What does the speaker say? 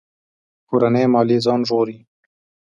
کورنۍ ماليې ځان ژغوري.